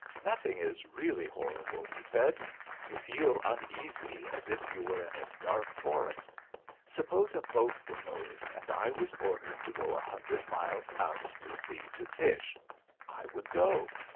"Nothing is really horrible," he said. "You feel uneasy, as if you were in a dark forest. Suppose a boat were lowered and I was ordered to go a hundred miles out to sea to fish I would go.